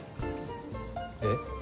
えっ？